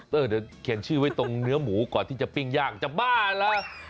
เดี๋ยวเขียนชื่อไว้ตรงเนื้อหมูก่อนที่จะปิ้งย่างจะบ้าเหรอ